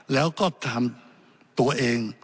แล้วก็ทำตัวเอง